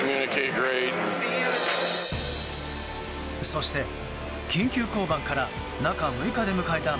そして緊急降板から中６日で迎えた